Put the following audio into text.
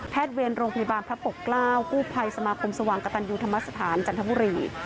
เวรโรงพยาบาลพระปกเกล้ากู้ภัยสมาคมสว่างกระตันยูธรรมสถานจันทบุรี